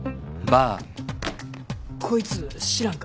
こいつ知らんか？